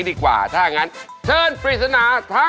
สวยมาเลยนะ